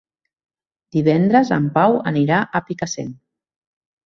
Divendres en Pau anirà a Picassent.